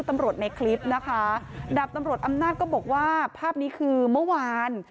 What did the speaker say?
ในคลิปนะคะดาบตำรวจอำนาจก็บอกว่าภาพนี้คือเมื่อวาน